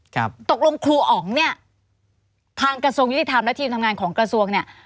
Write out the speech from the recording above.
ก็รู้จังค้างกระทรวงยศธรรมและทีมทำงานของกระทรวง